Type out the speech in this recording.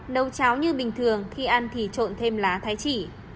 nấu cháo như bình thường khi ăn thì trộn thêm lá thái chỉ